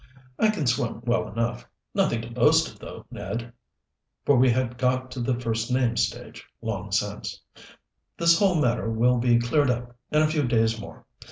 "I can swim well enough nothing to boast of though. Ned" for we had got to the first name stage, long since "this whole matter will be cleared up in a few days more.